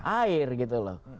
air gitu loh